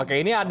oke ini ada